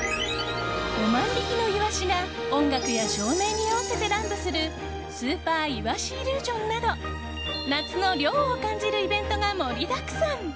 ５万匹のイワシが音楽や照明に合わせて乱舞するスーパーイワシイリュージョンなど夏の涼を感じるイベントが盛りだくさん。